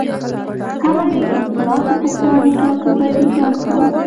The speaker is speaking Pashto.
هغه د خپل پلار په پخواني ټاټوبي کې ژوند کاوه